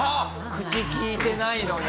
口利いてないのに。